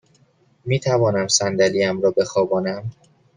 می توانم صندلی ام را بخوابانم؟